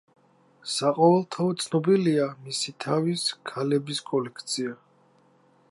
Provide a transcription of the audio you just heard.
საყოველთაოდ ცნობილია მისი თავის ქალების კოლექცია.